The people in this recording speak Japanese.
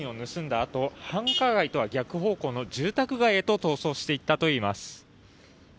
あと繁華街とは逆方向の住宅街へと逃走していったといいます。